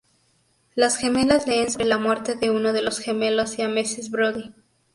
Las gemelas leen sobre la muerte de uno de los gemelos siameses Brodie.